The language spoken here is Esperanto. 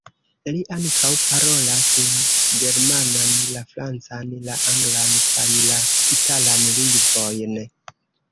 Li ankaŭ parolas la germanan, la francan, la anglan kaj la italan lingvojn.